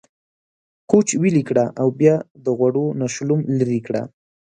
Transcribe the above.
کوچ ويلي کړه او بيا د غوړو نه شلوم ليرې کړه۔